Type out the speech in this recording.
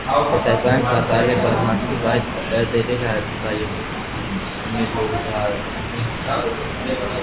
Հետագայում կատարել է բազմաթիվ այլ դերեր արևմտաեվրոպական մելոդրամատիկ խաղացանկում։